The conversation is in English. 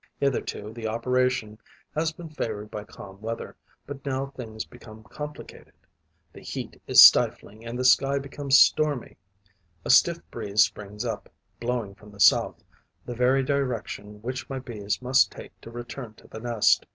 Hitherto, the operation has been favoured by calm weather; but now things become complicated. The heat is stifling and the sky becomes stormy. A stiff breeze springs up, blowing from the south, the very direction which my Bees must take to return to the nest.